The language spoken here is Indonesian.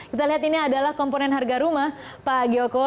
kita lihat ini adalah komponen harga rumah pak gyoko